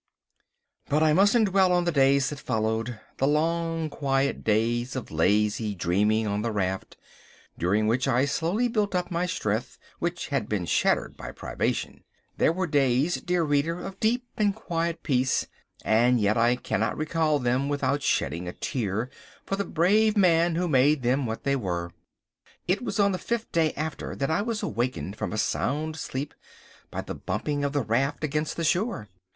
But I mustn't dwell on the days that followed—the long quiet days of lazy dreaming on the raft, during which I slowly built up my strength, which had been shattered by privation. They were days, dear reader, of deep and quiet peace, and yet I cannot recall them without shedding a tear for the brave man who made them what they were. It was on the fifth day after that I was awakened from a sound sleep by the bumping of the raft against the shore.